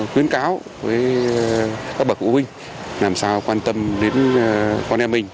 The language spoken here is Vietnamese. chính cáo với các bậc vũ binh làm sao quan tâm đến con em mình